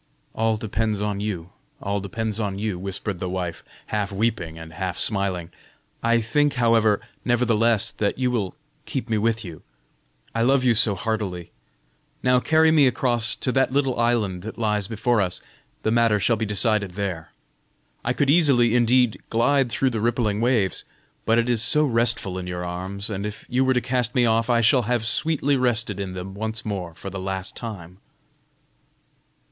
"All depends upon you, all depends upon you," whispered his wife, half weeping and half smiling. "I think, however, nevertheless, that you will keep me with you: I love you so heartily. Now carry me across to that little island that lies before us. The matter shall be decided there. I could easily indeed glide through the rippling waves, but it is so restful in your arms, and if you were to cast me off, I shall have sweetly rested in them once more for the last time."